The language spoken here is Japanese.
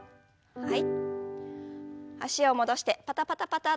はい。